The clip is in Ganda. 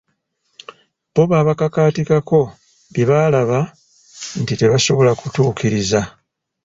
Bo babakakaatikako bye balaba nti tebasobola kutuukiriza.